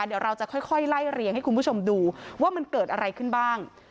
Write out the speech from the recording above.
เดี๋ยวเราจะค่อยไล่เรียงให้คุณผู้ชมดูว่ามันเกิดอะไรขึ้นบ้าง